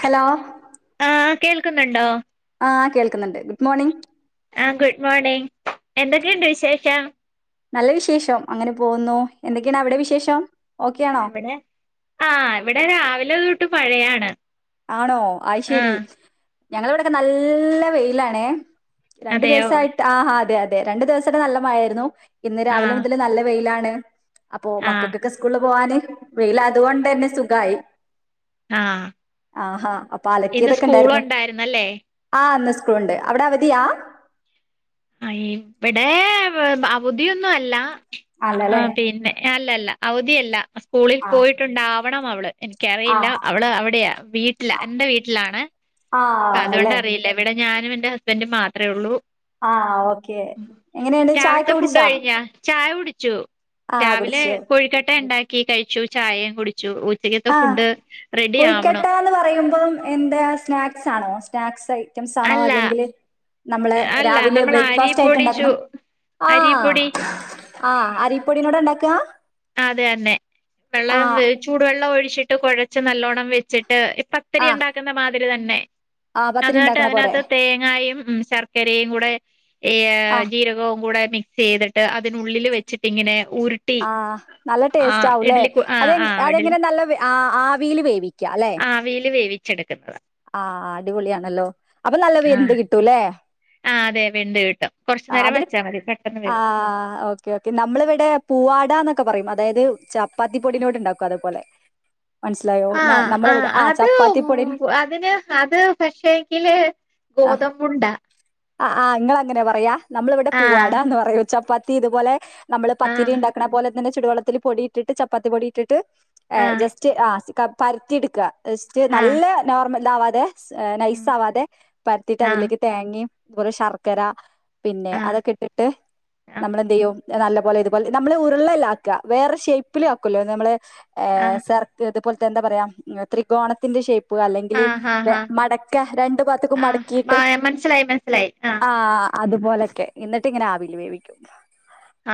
Hello ആഹ് കേൾക്കുന്നുണ്ടോ? ആഹ് കേൾക്കുന്ന്ണ്ട് ഗുഡ് മോർണിംഗ് ആഹ് ഗുഡ് മോർണിംഗ് എന്തൊക്കെയുണ്ട് വിശേഷം? നല്ല വിശേഷം അങ്ങനെ പോവുന്നു എന്തൊക്കെയാണ് അവിടെ വിശേഷം? ഓക്കെ ആണോ ഇവടെ ആഹ് ഇവിടെ രാവിലെ തൊട്ട് മഴയാണ് ആണോ? അയ്ശരി ആഹ് ഞങ്ങളെ ഇവടെക്കെ നല്ല വെയിലാണേ രണ്ടു അതെയോ ദിവസായിട്ട് ആഹ് അതെ അതെ രണ്ടു ദിവസായിട്ട് നല്ല മഴായിരുന്നു ഇന്ന് രാവിലെ ആഹ് മുതല് നല്ല വെയിലാണ് അപ്പൊ ആഹ് മക്കക്കൊക്കെ സ് സ്കൂള്ല് പോവാന് വെയിലായത് കൊണ്ടന്നെ സുഖായി ആഹ് ആഹ് ഹാ അപ്പൊ ഇന്ന് അലക്കിയതൊക്കെ സ്കൂള് ഇണ്ടായിരുന്നു ഉണ്ടായിരുന്നല്ലേ ആഹ് ഇന്ന് സ്കൂള്ണ്ട് അവിടെ അവധിയാ? ആഹ് ഇബടെ അവധിയൊന്നുവല്ല ആണല്ലേ ആഹ് പിന്നെ അല്ല അല്ല അവധിയല്ല സ്കൂളി ആ പോയിട്ടുണ്ടാവണം അവള് ആ എനിക്കറിയില്ല അവള് അവിടെയാ വീട്ടില് എന്റെ വീട്ടിലാണ് ആ അതുകൊണ്ട് ആണല്ലേ അറിയില്ല ഇവിടെ ഞാനും എന്റെ ഹസ്ബൻഡും മാത്രേയൊള്ളൂ ആ ഓക്കെ എങ്ങനെയാണ് ചായൊക്കെ രാവിലത്തെ ഫുഡ് കുടിച്ചാ കഴിഞ്ഞ? ചായ കുടിച്ചു ആഹ് രാവിലെ കുടിച്ചു കൊഴിക്കട്ട ഇണ്ടാക്കി കഴിച്ചു ചായയും കുടിച്ചു ഉച്ചക്കത്തെ ഫുഡ് റെഡിയാവുണു കൊഴുക്കട്ടാന്ന് പറയുമ്പം എന്ത സ്നാക്സാണോ? സ്നാക്സ് ഐറ്റംസാണോ അല്ല അല്ലെങ്കില് നമ്മള് അല്ല രാവിലെ നമ്മൾ ബ്രേക്ക്ഫാസ്റ്റ് ആയിട്ട് അരിപ്പൊടി ചു ഇണ്ടാക്കണതാ ആഹ് അരിപ്പൊടി ആഹ് അരിപ്പൊടിനോണ്ട ഇണ്ടാക്ക? അതെ തന്നെ വെള്ളം ചൂടുവെള്ളം ഒഴിച്ചിട്ട് കുഴച്ച് നല്ലോണം വെച്ചിട്ട് ഇപ്പ പത്തിരി ആഹ് ഒണ്ടാക്കുന്ന മാതിരി തന്നെ ആഹ് പത്തിരി അന്നിട്ട് ഇണ്ടാക്കണ പോലെ അതിനാത്ത് തേങ്ങായും ശർക്കരയും കൂടെ ഈ ആഹ് ജീരകവും കൂടെ മിക്സെയ്തിട്ട് അതിനുള്ളില് വെച്ചിട്ടിങ്ങനെ ഉരുട്ടി ആഹ് നല്ല ആ ടേസ്റ്റോവുലേ? ഇഡലി ആ അത് ആ അത് ഇഡലി എങ്ങനെ നല്ല ആവിയില് വേവിക്കാല്ലെ? ആവിയില് വേവിച്ചെടുക്കുന്നത ആഹ് ആഹ് അടിപൊളിയാണല്ലോ അപ്പൊ നല്ലോം ആഹ് വെന്ത് കിട്ടൂല്ലേ? ആഹ് അതെ വെന്ത് കിട്ടും കൊറച്ചു ആ, നേരം അതിന് വെച്ചാ മതി പെട്ടെന്ന് വേവും ആഹ് ഓ ക്കെ ഓക്കെ നമ്മളിവിടെ പൂവാടന്നൊക്കെ പറയും അതായത് ചപ്പാത്തി പൊടിനോട് ഇണ്ടാക്കും അതേപോലെ മനസ്സിലായോ? ആ ന- ആ നമ്മളിവിടെ അത് ചപ്പാത്തിപ്പൊടി അതിന് അത് പശേങ്കില് ആ ഗോതമ്പുണ്ടാ ആ ആഹ് ഇങ്ങളങ്ങനെ പറയാ നമ്മള് ഇവിടെ ആഹ് പൂവാടാ എന്ന് പറെയും ചപ്പാത്തി ഇതുപോലെ നമ്മള് പത്തിരി ആഹ് ഇണ്ടാക്ക്ണെ പോലെ തന്നെ ചുടുവെള്ളത്തില് പൊടിയിട്ടിട്ട് ചപ്പാത്തി പൊടിയിട്ടിട്ട് ആഹ് ജെസ്റ്റ് ആഹ് പര്ത്തി എട്ക്കാ യെസ്റ്റ് ആഹ് നല്ലെ നോർമൽ ഇതാവാതെ സ് ഉം നൈസാവാതെ പര്ത്തിട്ട് ആഹ് അതിലേക്ക് തേങ്ങേം അതുപോലെ ശർക്കര പിന്നെ ആഹ് അതൊക്കെ ഇട്ടിട്ട് ആഹ് നമ്മളെന്തയ്യും നല്ലെ പോലെ ഇതുപോലെ നമ്മെ ഉരുളല്ലാക്ക വേറെ ഷേപ്പില് ആക്കൊല്ലോ നമ്മള് എഹ് ആഹ് സെർ അതുപോല്ത്തെ എന്താ പറയാ ത്രികോണത്തിന്റെ ഷേപ്പ് അല്ലെങ്കി ആഹ് ആഹ് മടക്കാ രണ്ടു ഭാത്ക്കും ആഹ് മടക്കിയിട്ട് ആഹ് മനസ്സിലായി മനസ്സിലായി ആഹ് ആഹ അതുപോലെക്കെ എന്നിട്ട് ഇങ്ങനെ ആവിൽ വേവിക്കും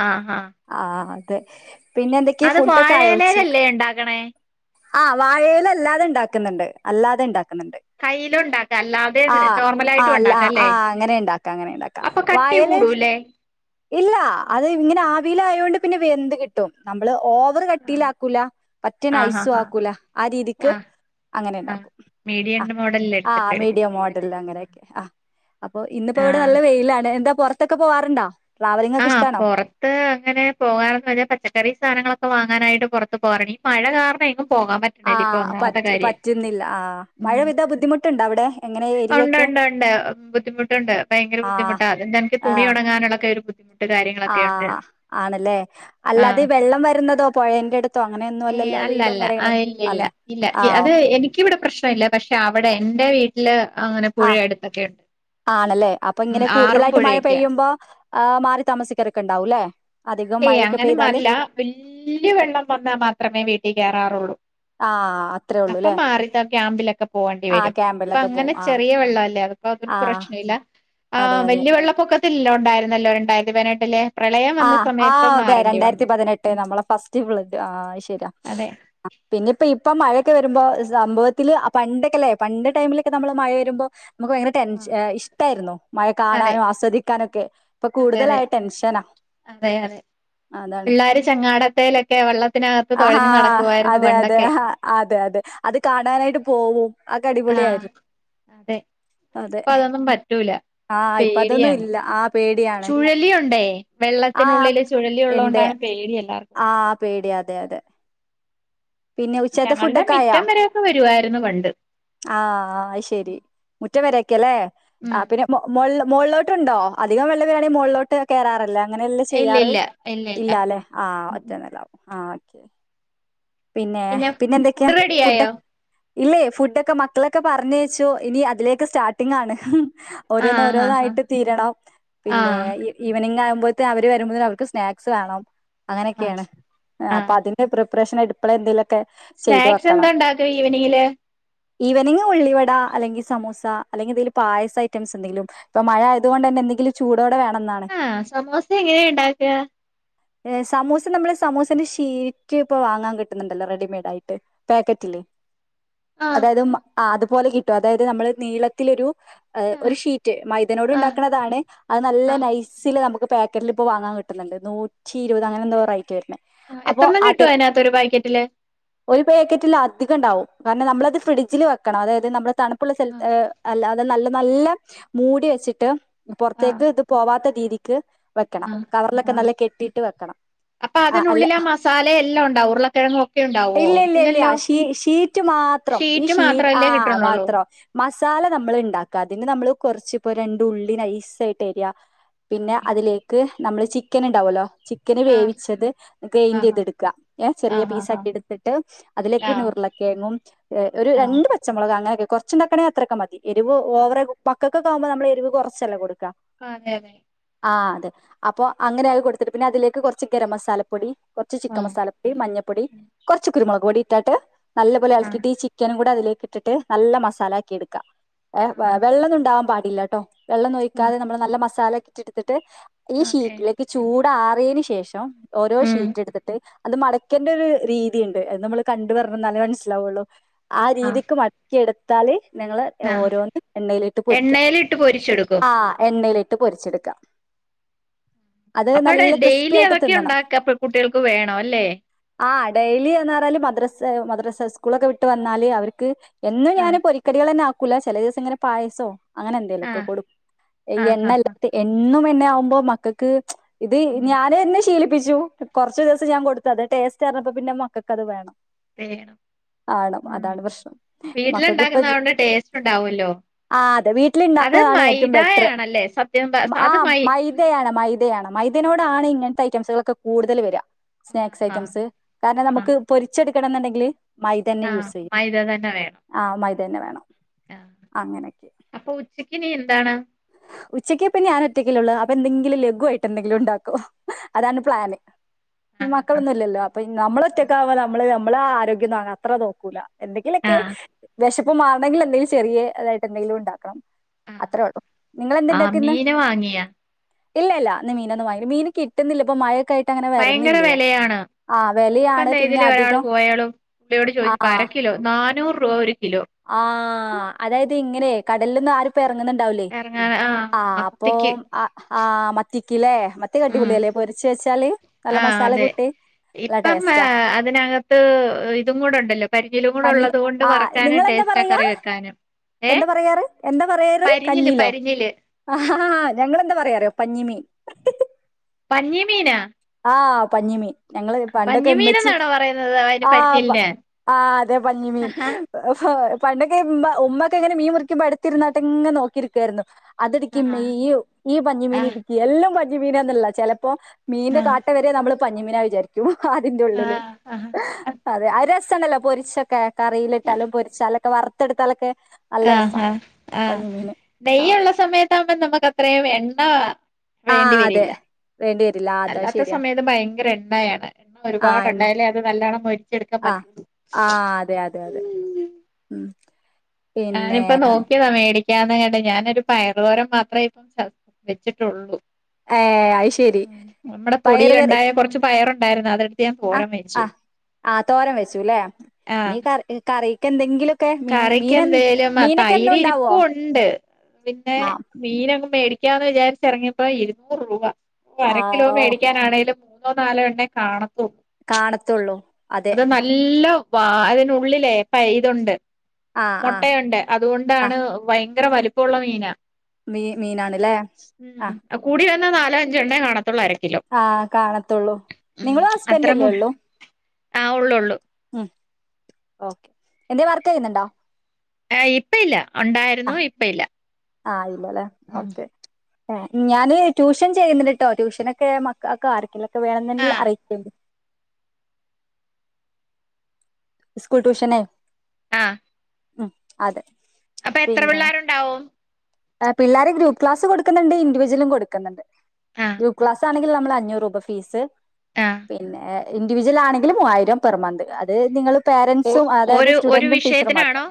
ആ ഹാ ആ അതെ പിന്നെ എന്തൊക്കെ ഫുഡ്ഡൊക്കെ ആയോ ഉച്ചക്ക് വാഴയിലേലല്ലേ ഉണ്ടാക്കണേ ആഹ് വാഴേൽ അല്ലാതെ ഇണ്ടാക്ക്ന്നണ്ട് അല്ലാതെ ഉണ്ടാക്ക്ന്നണ്ട് കയ്യിലും ഉണ്ടാക്കാം അല്ലാതെ ആ നോർമലായിട്ടും അല്ല ഉണ്ടാക്കാം അല്ലേ ആ അങ്ങനെ ഇണ്ടാക്ക അങ്ങനെ ഇണ്ടാക്ക അപ്പൊ കട്ടി വാഴെല് കൂടൂല്ലേ ഇല്ലാ അത് ഇങ്ങെനെ ആവീല് ആയൊണ്ട് പിന്നെ വെന്ത് കിട്ടും. നമ്മള് ഓ വർ ആഹ് കട്ടിയിലാക്കൂല പറ്റെ ആഹ് നൈസും ആഹ് ആക്കൂല ആ രീതിക്ക് ആഹ് അങ്ങനെ ആഹ് ഇണ്ടാക്കും മീഡിയം ആഹ മോഡലിൽ ആഹ് എടുത്തിട്ട് എടുക്ക മീഡിയം ചെയ്യും മോഡൽ അല്ലേ അങ്ങനെയെക്കെ ആ അപ്പൊ ഇന്നിപ്പോ ഇവ്ടെ ആഹ് നല്ലെ വെയിലാണ് എന്താ പൊറത്തൊക്കെ പോവാറുണ്ടോ ട്രാവലിംഗ് ആ ഒക്കെ ഇഷ്ടാണോ പൊറ ത്ത് അങ്ങനെ പോവാനൊന്നും കയ്യേലില്ല പച്ചക്കറി സാനങ്ങളൊക്കെ വാങ്ങാനായിട്ട് പൊറത്ത് പോവാർണ്ട് ഈ മഴ കാരണ മെങ്ങും പോകാൻ പറ്റാ ആ പറ്റ് പറ്റ്ന്നില്ല ആ മഴെ പെയ്താ ബുദ്ധിമുട്ട്ണ്ടോ അവ്ടെ എങ്ങനെ ഏരിയെ ഉണ്ട് ഉണ്ട് ബുദ്ധിമുട്ടുണ്ട് ഭയെങ്കര ആ ബുദ്ധിമുട്ടാ അത് എന്ക്ക് തുണി ഒണങ്ങാനൊക്കൊരു ബുദ്ധിമുട്ട് കാര്യങ്ങൾ ആഹ്‌ ആണല്ലേ അല്ലാതെ വെള്ളം വരുന്നതോ പൊയന്റെട്ത് ഏഹ്‌ അല്ല അല്ല ആഹ്‌ ഇല്ല ഇല്ല അല്ല ആ ഇല്ല അത് ഓക്കെ എനിക്ക് ക്കി ഇവിടെ പ്രശ്നം ഇല്ല. പക്ഷെ, അവടെ എന്റെ വീട്ടിൽ ഇല്ലാ അങ്ങനെ പുഴ ആഹ്‌ അടുത്തൊക്കെ ഉണ്ട് ആണല്ലേ അപ്പൊ ഉം ഇങ്ങനെ ആറും കൂടുതലായിട്ട് മഴ പുഴയൊക്കെയാ പെയ്യുമ്പോ ആഹ്‌ മാറി താമസിക്കരൊക്കെ ഇണ്ടാവുല്ലേ ഏയ് അങ്ങനെ മാറില്ലാ വെല്യവെള്ളം വന്നാ മാത്രമേ വീട്ടിൽ കയെറാറുള്ളൂ ആഹ്‌ അപ്പൊ മാറിത്ത ക്യാമ്പിലൊക്കെ പോകേണ്ടി ആ വരും ഇപ്പൊ ക്യാമ്പിലൊക്കെ അങ്ങനെ പോവും ആ ചെറിയ വെള്ളല്ലേ അപ്പോ അതൊര് ആ പ്രശ്ന ഇല്ല ആ അതെ അതെ വല്യ വെള്ളപ്പൊക്ക ല്ലോ ഉണ്ടായിരുന്നല്ലോ രണ്ടായിരത്തി പതിനെട്ടില് പ്രളയം ആ വന്ന് ആ അതെ രണ്ടായിരത്തി പതിനെട്ട് നമ്മളെ ഫസ്റ്റ് [unintelligible] ആഹ്‌ ശരിയാ അതെ പിന്നെപ്പ ഇപ്പ മഴയൊക്കെ വരുമ്പോ സംഭവത്തില് പണ്ടെക്കെല്ലേ പണ്ട് ടൈമിലെക്കെ നമ്മള് മഴ വരുമ്പോ നമുക്ക് ഭയങ്കര ടെൻഷെ ഇഷ്ടായിരുന്നു മഴെ അതെ കാണാനും ആസ്വദിക്കാനൊക്കെ ഇപ്പൊ അതെ അതെ കൂടുതലായ ടെൻഷനാ അതെ അതെ അതാണ് പിള്ളേര് ചങ്ങാടത്തേലെക്കെ വെള്ളത്തിനക ആഹാ അതെ അതെ അതെ അതെ അത് കാണാനായിട്ട് പോവും ആ അ‌തടിപൊളിയായിരുന്നു അതെ അതെ ഇപ്പൊ അതൊന്നും പറ്റൂല ആഹ്‌ ഇപ്പ അതൊന്നും ഇല്ലാ ആഹ്‌ ചുഴലി ഉണ്ടേ ആ വെള്ളത്തിനുള്ളില് ചുഴലി ഉള്ളോണ്ടാണ് പേടി എല്ലാർക്കും ആഹ്‌ പേടിയാ അതെ അതെ പിന്നെ ഉച്ചത്തെ ഞങ്ങളുടെ ഫുഡൊക്കെ മിറ്റം വരെ ഒക്കെ വരുവായിരുന്നു പണ്ട് ആഹ്‌ ആഹ് അയ് ശരി മുറ്റം വരെക്കെല്ലേ ആ ഉം പിന്നെ മോ മോള്ള് മോള്ളോട്ട്ണ്ടോ അധികം വെള്ളം വരാണേ മോള്ളോട്ട് കേറാറില്ലേ അങ്ങനെയല്ലേ ഇല്ല ചെയ്യാറ് ഇല്ല ഇല്ല ഇല്ല ഇല്ലാലേ ആഹ്‌ ഉം, ഒറ്റ ഉം. നിലാവും ആഹ് ഓക്കെ പിന്നെ പിന്നെ എന്തൊക്കെയാ ഫുഡ് ഫുഡ്ഡ് റെഡിയായോ ഇല്ലേ ഫുഡൊക്കെ മക്കളൊക്കെ പറഞ്ഞയച്ചു ഇനി അതിലേക്ക് സ്റ്റാർട്ടിങ് ആണ് ഓരോന്ന് ആഹ് ആഹ് ആഹ് ഓരോന്നായിട്ട് തീരണം പിന്നെ ആഹ് ഈവനിങ് ആകുമ്പഴത്തെ അവര് വരുമ്പോ അവർക്ക് സ്നാക്സ് വേണം അങ്ങനൊക്കെയാണ് ആഹ് അപ്പൊ ആഹ് അതി ന്റെ പ്രിപ്പറേഷൻ ആയിട്ട് ഇപ്പളെ എന്തെങ്കിലൊക്കെ ചെയ്തു സ്നാക്സ് എന്താ വെക്കണം ഉണ്ടാക്ക ഈവനിങ്ങില് ഈവനിങ് ഉള്ളിവട അല്ലെങ്കിൽ സമൂസ അല്ലെങ്കിൽ എന്തെങ്കിലും പായസ ഐറ്റംസ് എന്തെങ്കിലും ഇപ്പൊ മഴ ആയത് കൊണ്ടന്നെ എന്തെങ്കിലും ചൂടോടെ വേണം എന്നാണ് ആഹ്‌ സമൂസ എങ്ങനെയ ഉണ്ടാക്കാ സമൂസ നമ്മളെ സമോസന്റെ ഷീറ്റ് ഇപ്പൊ വാങ്ങാൻ കിട്ടുന്നുണ്ടല്ലോ റെഡിമെയ്ഡ് ആയിട്ട് പാക്കറ്റില് ആഹ് അതായത് അതുപോലെ കിട്ടും അതായത് നമ്മള് നീളത്തിലൊരു ഏഹ് ആഹ് ഒരു ഷീറ്റ് മൈദനോട് ആഹ് ഉണ്ടാക്കണതാണ് അത് നല്ല ആഹ് നൈസിൽ നമുക്ക് പാക്കറ്റിലിപ്പോ വാങ്ങാൻ കിട്ടുന്നുണ്ട് നൂറ്റി ഇരുപത് അങ്ങനെ എന്തോ റേറ്റ് വരുന്നത് ആഹ് എത്ര എണ്ണം കിട്ടും അയിനകത്ത് ഒരു പാക്കറ്റില് ഒരു പാക്കറ്റില് അധികം ഉണ്ടാവും കാരണം നമ്മളത് ഫ്രിഡ്ജില് വെക്കണം അതായത് നമ്മളെ തണുപ്പുള്ള സ്ഥലത്ത് ആഹ് ഏഹ് അല്ല അതെ നല്ല നല്ല മൂടി വെച്ചിട്ട് ആഹ് പുറത്തേക്ക് ഇത് പോവാത്ത രീതിക്ക് വെക്കണം കവറിലൊക്കെ ആഹ് നല്ല കെട്ടിയിട്ട് വെക്കണം അപ്പൊ ആഹ് അല്ല അതിനുള്ളിൽ ആ മസാല എല്ലാം ഉണ്ടാവോ ഉരുളക്കിഴങ്ങും ഒക്കെ ഉണ്ടാവോ ഇല്ല ഇല്ല ഇല്ല ഇല്ലല്ലോ ഷി ഷീറ്റ് മാ മാത്രം ഈ ഷീറ്റ് ശീ മാത്രല്ലേ ആഹ്‌ കിട്ടണുള്ളൂ മാത്രം മസാല നമ്മള് ഉണ്ടാക്കാ അതിന് നമ്മള് കൊറച്ച് ഇപ്പോ രണ്ട് ഉള്ളി നൈസ് ആയിട്ട് അരിയാ പിന്നെ ആഹ് അതിലേക്ക് നമ്മള് ചിക്കൻ ഉണ്ടാവോല്ലോ ചിക്കന് വേവിച്ചത് ആഹ് ഗ്രെയിൻറ്യ്തെടുക്കാ ഏഹ്‌ ചെറിയ ആഹ് ആഹ് ആഹ് പീസാക്കി എടുത്തിട്ട് അതിലേക്ക് പിന്നെ ഉരുളക്കിഴങ്ങും ഏഹ് ഒരു ആഹ് രണ്ട് പച്ച ച്ചമൊളക് അങ്ങനൊക്കെ കുറച്ചുണ്ടാക്കാണേ അത്രൊക്കെ മതി എരിവ് ഓവറെ മക്കക്ക് ഒക്കെ ആകുമ്പോ നമ്മള് എരിവ് കൊറച്ചല്ലെ കൊടുക്ക ആഹ്‌ അങ്ങനെ ആഹ് അതെ അപ്പൊ അങ്ങനെ അത് കൊടുത്തിട്ട് പിന്നെ അതിലേക്ക് കോർച്ച് ഗരം മസാലപ്പൊടി കോർച്ച് ചിക്കൻ ആഹ് മസാല പൊടി മഞ്ഞപ്പൊടി കുറച്ച് കുരുമുളക് പൊടി ഇട്ടാട്ട് നല്ലപോലെ എളക്കിട്ട് ഈ ചി ചിക്കനും കൂടെ അതിലേക്ക്ട്ടിട്ട് നല്ല മസാലാക്കി എടുക്ക ഏഹ് വെ ആഹ് വെള്ളോന്നും ഉണ്ടാവാൻ പാടില്ലട്ടോ വെള്ളം ആഹ് ഒന്നൊഴിക്കാതെ നമ്മള് നല്ല മസാലക്കെ ഇട്ടെടുത്തിട്ട് ഈ ഓക്കെ ഷീറ്റിലേക്ക് ചൂ ടാറിയെന് ശേഷം ഓരോ ഉം ഷീറ്റ്ട്ത്തിട്ട് അത് മടക്കേണ്ടോരു രീതിയിണ്ട് അത് നമ്മള് കണ്ട് പറഞ്ഞ് തന്നാലേ മനസ്സിലാവുള്ളൂ ആ ആഹ് രീതിക്ക് മ ടക്കി എടുത്താല് നിങ്ങള് ആഹ് ഓരോന്ന് എണ്ണയിലിട്ട് പൊരിക്കാ എണ്ണയിലിട്ട് പൊരിച്ചെടുക്കും ആഹ് എണ്ണയിലി ട്ട് പൊരിചെടുക്കാം അപ്പടെ ക്രിസ്പി ഡെയിലി ആയിട്ട് അതൊക്കെ തിന്നണം ഉണ്ടാക്ക അപ്പൊ കുട്ടികൾക്ക് വേണോല്ലേ ആഹ് ഡെയിലി എന്ന് പറല് മദ്രസ മദ്രസ് സ്കൂളൊക്കെ വിട്ട് വന്നാല് അവര്ക്ക് എന്നും ഞാന് ആഹ് പൊരിക്കടികളെന്നാക്കൂല ചെലെസം ഇങ്ങനെ പായസോ അങ്ങനെ എന്തേലോക്കെ ആഹ് കൊടു ഈ ആഹ് ആഹ് ആഹ് എണ്ണല്ലാത്ത എന്നും എണ്ണയാവുമ്പോ മക്കക്ക് ഇത് ഉം ഞാൻ എന്നെ ശീലി പ്പിച്ചു കുറച്ച് ദിവസം ഞാൻ കൊടുത്തത് ടേസ്റ്റ് അറിഞ്ഞപ്പോ പിന്നെ മക്കക്കത് വേണം [unintelligible] മാണം ഉം അതാണ് പ്രശ്നം മക്കക്കിപ്പത് വീട്ടിലുണ്ടാക്കുന്നതോണ്ട് ടേസ്റ്റ് ഉണ്ടാവല്ലോ ആ അത് വീട്ടില് അത് ഇണ്ടാക്ക്ണതാണ് ഏറ്റവും ബെത്രർ മൈദയാണല്ലേ സത്യം പ ആ അത് മൈ ദയാണ് മൈദയാണ് മൈദനോടാണ് ഇങ്ങൻത്തെ ഐറ്റംസുകളൊക്ക കൂടുതല് വര സ്നാക്സ് ആഹ് ആഹ് ഐറ്റംസ് കാര്ണം ആഹ് നമുക്ക് പൊരിച്ചട്ക്കണം ന്ന്ണ്ടെങ്കില് മൈദെന്നെ ആഹ് യൂസെയ്യും മൈദ തന്നെ വേണം ആ മൈദെന്നെ വേണം അങ്ങനെക്കെ അപ്പ ഉച്ചക്കിനി എന്താണ് ഉച്ചക്കിപ്പ ഞാന ഒറ്റക്കല്ലേ ഒള്ളൂ അപ്പ എന്തെങ്കിലും ലഘു ആയിട്ടെന്തെങ്കിലും ഇണ്ടാക്കു അതാണ് പ്ലാന് ഇഞ് ആഹ് മക്കളൊന്നുല്ലല്ലോ ഇപ്പ നമ്മളോറ്റക്കാവുമ്പോ നമ്മള് നമ്മളെ ആരോഗ്യൊന്നും അങ്ങ അത്ര നോക്കൂല ആഹ് എന്തെങ്കിലെക്കെ ആഹ് വെശപ്പ് മാർണെങ്കില് എന്തെലും ചെറിയെ അതായിട്ട് എന്തെങ്കിലും ഇണ്ടാക്കണം അത്രേ ഒള്ളൂ നിങ്ങളെ എന്തേ ആഹ് ഇണ്ടാക്ക്ന്നെ മീന് വാങ്ങിയാ ഇല്ല ഇല്ല ഇന്ന് മീനൊന്നും വാങ്ങില മീന് കിട്ട്ന്നില്ലപ്പൊ മഴക്കായി ഭയങ്കര വെലയാണ് ആ വെലയ ഇപ്പം ദേ ഇതിലെ ഒരാള് പോയാലും പുള്ളിയോട് ആ ചോയിച്ചപ്പോ അര കിലോ നാനൂറ് രൂപ ഒരു കിലോ ആഹ് അതായത് ഇങ്ങനെ കടൽലോന്നും ആരു ഇപ്പ എർങ്ന്ന്ണ്ടാവില്ലേ അങ്ങനെ ആഹ് ആ അപ്പൊ മത്തിക്ക് ആ ആ മത്തിക്കിലെ മ ത്തി ഉം അടിപൊളിയല്ലേ പൊരിച്ച് വെച്ചാല് നല്ല ആഹ് മസാല അതെ കൂട്ടി നല്ല ഇപ്പം ആ ടേസ്റ്റാ അതിനകത്ത് ഇതും കൂടെ ഉണ്ടല്ലോ പനിനീല് കൂടെ പഞ്ഞി ഉള്ളത് കൊണ്ട് ആ വറ ക്കാന് നിങ്ങളെന്താ ടേസ്റ്റാ പറയാ കറി വെക്കാനും ഏഹ് എന്താ പറയാറ് എന്താ പറയാറ് പരിഞ്ഞില് കഞീലോ പരിഞ്ഞില് അ ഹ ഹാ ഞങ്ങളെന്താ പറയ അറിയോ പഞ്ഞിമീൻ പഞ്ഞി മീന ആ പഞ്ഞിമീൻ ഞങ്ങള് പണ്ടൊക്കെ ഇമ്മച്ചി പഞ്ഞിമീനെന്നാണോ പറയുന്നത് അതിന് ആഹ് പ പരിഞ്ഞിലിന് ആ അതെ പഞ്ഞി മീൻ ആഹാ പണ്ടൊക്കെ ഇമ്മ ഉമ്മ ഒക്കെ ഇങ്ങനെ മീൻ മുറിക്കുമ്പോ എട്ത്തിര്ന്നാട്ട് ഇങ്ങന നോക്കിര്ക്കാര്ന്നു അത് ആഹ് ഇട്ക്കിമ്മി ഈ ഈ പഞ്ഞി ആഹ് മീനിട്ക്കി എല്ലോം പഞ്ഞി മീനാന്ന്ള്ള ചെലപ്പോ മീ കാട്ട വരെ നമ്മള് പഞ്ഞിമീനാ വിചാരി ക്ക്യും അതിന്റ ഉള്ളില് ആഹ് ആഹ് അതെ അത് രസണ്ടല്ലോ പൊരിച്ചൊക്കെ കറീലിട്ടാലും പൊര്ച്ചാലോക്കെ വർത്തട്ത്താലൊക്കെ ആ ഹാ ആഹ് ആ നെയ്യ്ള്ള സമയത്താവുമ്പം നമ്മക്കത്രേം എണ്ണ വേണ്ടി ആഹ് അതെ വരില്ല വേണ്ടി വരില്ല ആ, അതാ അല്ലാത്ത ശരിയാ സമയത്ത് ഭയങ്കര എണ്ണയാണ് ആഹ് ഒരുപാട് എന്നെ എണ്ണേല് അത് നല്ലോണം മോര് ആഹ് ആ അതെ അതെ അതെ ഉം പിന്നെ ഞാനിപ്പം നോക്കിയതാ മേടി [unintelligible] ഞാനൊരു പയറ് തോരം മാത്രെ ഇപ്പം വെച്ചിട്ടൊള്ളൂ ഏഹ് അത് ശരി നമ്മടെ പയറ് തൊടീല് ഇണ്ടായ കൊർച്ച് പയറുണ്ടായിരുന്നു അത് അഹ് അഹ് ആ തോരം വെച്ചു ലെ ഇനി ആഹ് ക കറീക്ക് എന്തെങ്കിലും കറിക്ക് എന്തേലും ആ തൈര് ഉണ്ടാവോ ഇര്പ്പുണ്ട് പിന്നെ ആഹ് മീനങ്ങും മേടിക്കാന്ന് വിചാരിച് എറങ്ങിയപ്പോ ഇരുന്നൂറ് രൂപ അര കിലോ ആഹ് മേടിക്കാനാണെലും മൂന്നോ നാലോ എണ്ണെ കാണത്തു കാണത്തുള്ളൂ അതെ അത് നല്ല വാ അതിനുള്ളിലേ പൈ ഇതുണ്ട് ആഹ് ആഹ് മോട്ടയുണ്ട് അതുകൊണ്ടാണ് ആഹ് ഭയങ്കര വലുപ്പമുള്ള മീന മീ മീനാണല്ലേ ഉം ആഹ് കൂടി വന്ന നാലോ അഞ്ചോ എണ്ണേ കാണത്തൊള്ളു അര കിലോ ആ കാണത്തൊള്ളൂ നിങ്ങളും അത്ര ഹസ്ബൻഡ് അല്ലേ മു ഒള്ളൂ ആ ഉള്ളള്ളൂ മ് ഓക്കെ, എന്തേലും വർക്ക് ചെയ്യുന്നുണ്ടോ? ഏ ഇപ്പ ഇല്ല ഉണ്ടായി ആ ആഹ് ഇല്ലല്ലോ ഓക്കെ ഞാന് ട്യൂഷൻ ചെയ്യുന്നുണ്ട്ട്ടോ ട്യൂഷനൊക്കെ മക്കക്കെ ആർക്കേലൊക്കെ ആ വേണമെങ്കിൽ അറിയിക്കേണ്ടി. സ്കൂൾ ട്യൂഷന് ആഹ് മ് അതെ അപ്പൊ എത്ര പിന്നെ പിള്ളേരുണ്ടാവും പിള്ളേരെ ഗ്രൂപ്പ് ക്ലാസ് കൊടുക്കുന്നുണ്ട്. ഇൻഡ് വിജ്ല കൊടുക്കുന്നുണ്ട്, ആ ഗ്രൂപ്പ് ക്ലാസ് ആണെങ്കിൽ നമ്മൾ അഞ്ഞൂറ് രൂപ ഫി ഫീസ് ആ പിന്നെ ഇൻ്റിവിജൽ ആണെങ്കിൽ മുവായിരം പെർമന്ത് അത് നിങ്ങ ഒ പേരന്റ്സും അതായത് ഒരു ഒരു സ്റ്റുഡന്റും ടീച്ചർ മാത്രം. വിഷയത്തിനാണോ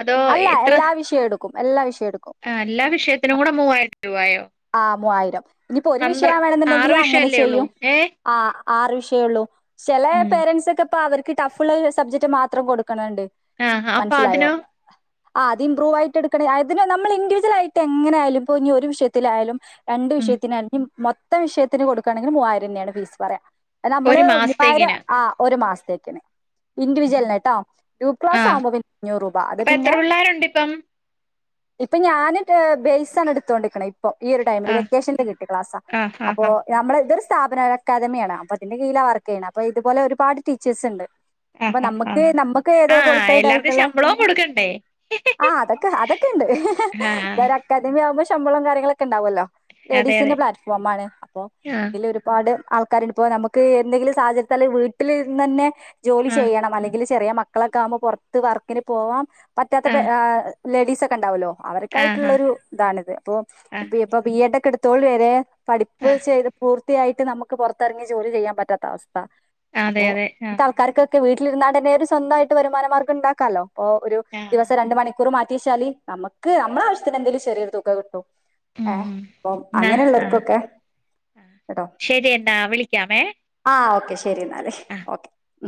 അതോ അല്ല എത്ര എല്ലാ വിഷയോടും ക്കും എല്ലാ വിഷയം എടുക്കും. ആ എല്ലാ വിഷയത്തിനും കൂടെ മൂവായിരം രൂപയോ? ആ മൂവായിരം ഇനിയിപ്പോ ഒരു വിഷയം ആറ് വേണെന്നുണ്ടെങ്കില് അങ്ങനെ വിഷയല്ലേ ഉള്ളൂ ചെയ്യും. ഏ ആ ആറ് വിഷയ ഉള്ളൂ ചില പേരൻസ് ഒക്കെ ഇപ്പ അവർക്ക് ടഫ്ള്ള സബ്ജക്ട് മാത്രം കൊടുക്കണണ്ട്, ആ അപ്പൊ മനസ്സിലായോ? അതിനോ ആ അത് ഇംമ്പ്രൂവ് ആയിട്ട് എടുക്കണേ അതിന് നമ്മൾ ഇൻിവിജവൽ ആയിട്ട് എങ്ങനായാലും ഇപ്പെ ഇനി ഒരു വിഷയത്തിലായാലും രണ്ടു ഉം വിഷയത്തിന് അല്ലെങ്കിൽ മൊത്തം വിഷയത്തിന് കൊടുക്കുകണെങ്കിൽ മൂവായിരം ന്നേണ് ഫീസ് പറയാ. അഹ് നമ്മള് ഒരു മൂവായിരം മാസത്തേക്കിന് ആ ഒരു മാസത്തേക്കിന് ഇൻഡിവിജ്വലിന് കേട്ടോ ഗ്രൂപ്പ് ആ ക്ലാസ് ആകുമ്പോ പിന്നെ അഞ്ഞൂറ് രൂപ അത് അപ്പൊ എത്ര പിന്നെ പിള്ളേരുണ്ട് ഇപ്പം ഇപ്പൊ ഞാന് ബെയ്സാണ് എടുത്തോണ്ടിരിക്ക്ണ ഇപ്പോ ഈ ഒരു ടൈമില് ആ വെക്കേഷന്റെ കിട്ടിയ ക്ലാസ്സാ. ആഹ് ആഹ് അപ്പൊ ആഹ് നമ്മള് ഇതൊരു സ്ഥാപന അക്കാദമിയാണ് അപ്പൊ അതിന്റെ കീഴിലാണ് വർക്ക് ചെയ്യ്ണ. അപ്പോ ഇത്പോലെ ഒരുപാട് ടീച്ചേഴ്സ് ഉണ്ട്. അപ്പൊ ആഹ് ആഹ് നമ്മക്ക് ആഹ് നമ്മക്ക് ഏത ആഹ് ക്വാളിഫൈഡ് എല്ലാർക്കും ആയിട്ടുള്ള ശമ്പളവും കൊടുക്കണ്ടേ ആ അതൊക്കെ അതക്കെ ഉണ്ട് ആഹ് ഇതൊരു അക്കാദമി ആവുമ്പോ ശമ്പളം കാര്യങ്ങളൊക്കെ ഉണ്ടാവുമല്ലോ അതെ അതെ ലേഡീസിന്റെ പ്ലാറ്റ്ഫോ ആണ് അപ്പോ ആഹ് ഇതിലൊരു ഒരുപാട് ആൾക്കാര് ഇപ്പോ നമുക്ക് എന്തെങ്കിലും സാഹചര്യത്താൽ വീട്ടിൽ ഇരുന്ന് തന്നെ ജോലി ആഹ് ചെയ്യണം അല്ലെങ്കിൽ ചെറിയ മക്കളൊക്കെ ആകുമ്പോ പുറത്ത് വർക്കിന് പോവാൻ പറ്റാത്ത ആഹ് ആ ലേഡീസ് ഒക്കെ ഉണ്ടാവല്ലോ അവർ ആയിട്ടുള്ളൊ ആഹ് ആഹ് ഒരു ഇതാണിത് അപ്പോ ആഹ് ഇപ്പൊ ബി എഡ് ഒക്കെ ഇടുത്തോല് വേരെ പഠിപ്പ് ആഹ് ചെയ്ത് പൂ ർത്തിയായിട്ട് നമുക്ക് പുറത്തിറങ്ങി ജോലി ചെയ്യാൻ പറ്റാത്ത അവസ്ഥ അതെ അപ്പോ അതെ അങ്ങനെത്ത ആൾ ആഹ് ആൾക്കാർക്ക് വീട്ടിലിരുന്നാണ്ടന്നെ ഒരു സ്വന്തമായിട്ട് വരുമാനമാർഗം ഉണ്ടാക്കാലോ ഇപ്പോ ഒരു ആഹ് ദിവസം രണ്ട് മണി മണിക്കൂർ മാറ്റി വെച്ചാല് നമുക്ക് നമ്മുടെ ആവശ്യത്തിന് എന്തെങ്കിലും ചെറിയരു തുക കിട്ടു. ഉം ഏ ഉം അപ്പം എന്നാ ആഹ് അങ്ങനെയള്ളവർക്കൊക്കെ ശരി എന്നാ വിളിക്കാമേ ആ ഓക്കെ ശരി എന്നാൽ ആഹ് ഓക്കെ. ഉം